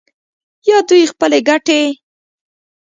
یا دوی خپلې ګټې